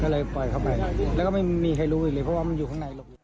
ก็เลยปล่อยเข้าไปแล้วก็ไม่มีใครรู้อีกเลยเพราะว่ามันอยู่ข้างในหลบ